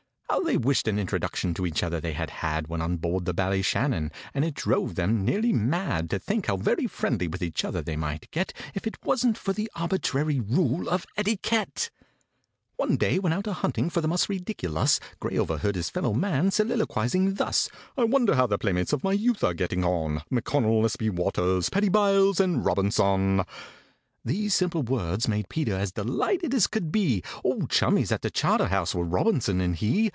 How they wished an introduction to each other they had had When on board the Ballyshannon! And it drove them nearly mad To think how very friendly with each other they might get, If it wasn't for the arbitrary rule of etiquette! One day, when out a hunting for the mus ridiculus, GRAY overheard his fellow man soliloquizing thus: "I wonder how the playmates of my youth are getting on, M'CONNELL, S. B. WALTERS, PADDY BYLES, and ROBINSON?" These simple words made PETER as delighted as could be, Old chummies at the Charterhouse were ROBINSON and he!